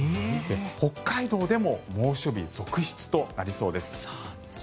北海道でも猛暑日続出となりそうです。